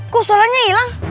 kok suaranya hilang